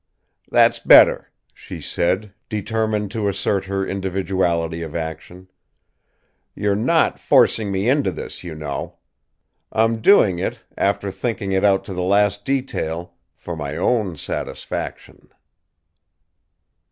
"That's better," she said, determined to assert her individuality of action. "You're not forcing me into this, you know. I'm doing it, after thinking it out to the last detail for my own satisfaction."